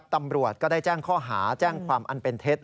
ตำรวจก็ได้แจ้งข้อหาแจ้งความอันเป็นเท็จ